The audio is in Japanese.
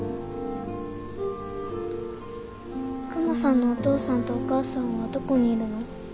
クマさんのお父さんとお母さんはどこにいるの？